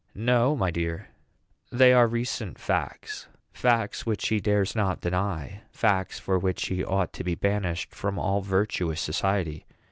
"No, my dear, they are recent facts facts which he dares not deny facts for which he ought to be banished from all virtuous society.